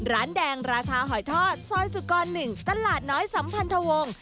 ร้านแดงราคาหอยทอดซอยสุกร๑ตลาดน้อยสัมพันธวงศ์